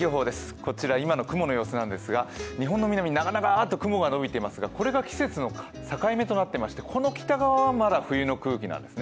こちら今の雲の様子なんですが日本の南、長々と雲が伸びていますがこれが季節の境目となっていましてこの北側はまだ冬の空気なんですね。